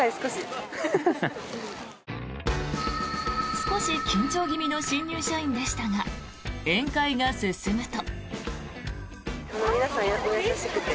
少し緊張気味の新入社員でしたが宴会が進むと。